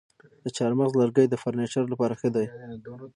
د چهارمغز لرګی د فرنیچر لپاره ښه دی.